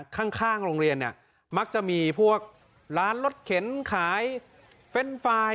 ข้างโรงเรียนเนี่ยมักจะมีพวกร้านรถเข็นขายเฟรนด์ไฟล์